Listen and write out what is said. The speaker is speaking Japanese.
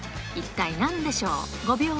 一体なんでしょう。